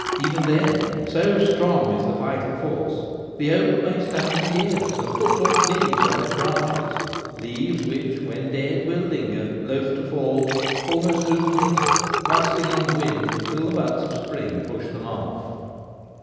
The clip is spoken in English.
Even then, so strong is the vital force, the oak may stand for years and put forth leaves on its branches — leaves which, when dead, will linger, loth to fall, almost through the winter, rustling in the wind, till the buds of spring push them off.